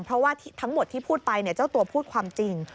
เพราะว่าทั้งหมดที่พูดไปเจ้าตัวพูดความจริง